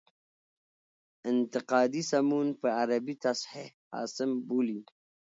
انتقادي سمون په عربي تصحیح حاسم بولي.